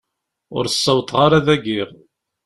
Ur ssawḍeɣ ara ad agiɣ.